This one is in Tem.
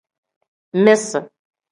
Misi.